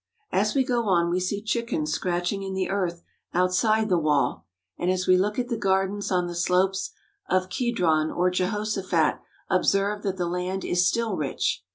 As we go on we see chickens scratching in the earth outside the wall, and as we look at the gardens on the slopes of Kedron or Jehoshaphat observe that the land is still rich.